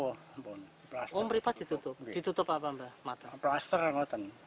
oh meripan ditutup ditutup apa mbak